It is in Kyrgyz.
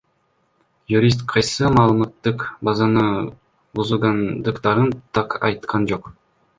Юрист кайсы маалыматтык базаны бузугандыктарын так айткан жок.